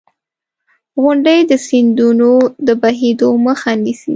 • غونډۍ د سیندونو د بهېدو مخه نیسي.